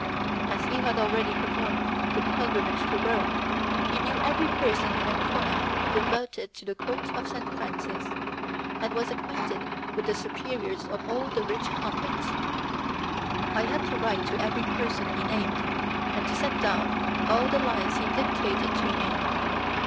As he had already performed the pilgrimage to Rome, he knew every person in Ancona devoted to the cult of Saint Francis, and was acquainted with the superiors of all the rich convents. I had to write to every person he named, and to set down all the lies he dictated to me.